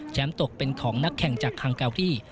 แชมป์ตกเป็นของนักแข่งจากพรั้งเการี